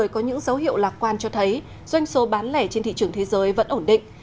có những dấu hiệu lạc quan cho thấy doanh số bán lẻ trên thị trường thế giới vẫn ổn định